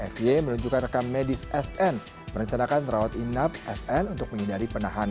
f y menunjukkan rekam medis sn merencanakan rawat inap sn untuk menghindari penahanan